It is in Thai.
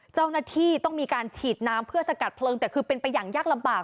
เจ้าหน้าที่ต้องมีการฉีดน้ำเพื่อสกัดเพลิงแต่คือเป็นไปอย่างยากลำบาก